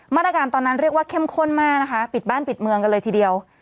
ตอนนั้นเรียกว่าเข้มข้นมากนะคะปิดบ้านปิดเมืองกันเลยทีเดียว